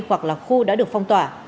hoặc là khu đã được phong tỏa